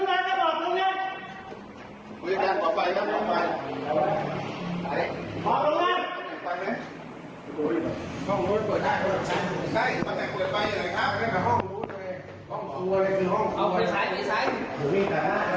มากี่คน